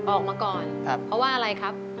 ออกมาก่อนเพราะว่าอะไรครับ